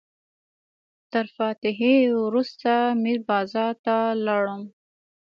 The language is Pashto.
تر فاتحې وروسته میر بازار ته لاړم.